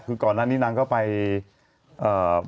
คือก่อนหน้านี้น้างเค้าไปนะครับ